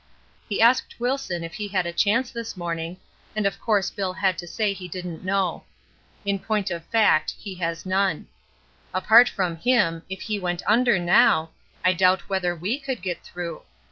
He asked Wilson if he had a chance this morning, and of course Bill had to say he didn't know. In point of fact he has none. Apart from him, if he went under now, I doubt whether we could get through.